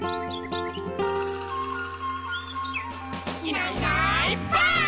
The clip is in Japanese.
「いないいないばあっ！」